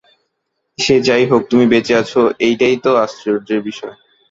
সে যাই হোক, তুমি বেঁচে আছো এটাই তো আশ্চর্যের বিষয়।